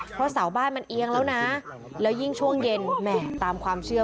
เพราะเสาบ้านมันเอียงแล้วนะแล้วยิ่งช่วงเย็นแหม่ตามความเชื่อ